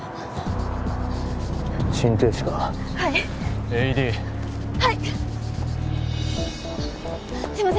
心停止かはいＡＥＤはいすいません